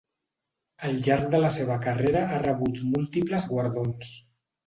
Al llarg de la seva carrera ha rebut múltiples guardons.